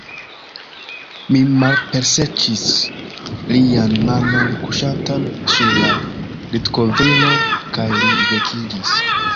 Mi palpeserĉis lian manon kuŝantan sur la litkovrilo, kaj li vekiĝis.